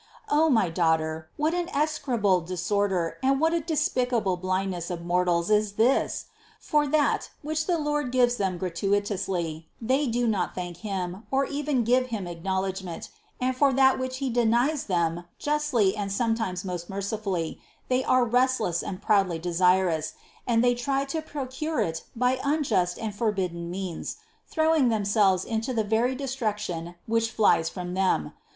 O my daughter, what an execrable disorder and what a despicable blind ness of mortals is this? For that, which the Lord gives them gratuitously, they do not thank Him, or even give Him acknowledgment, and for that which He denies them justly and sometimes most mercifully, they are rest less and proudly desirous, and they try to procure it by unjust and forbidden means, throwing themselves into the very destruction which flies from them.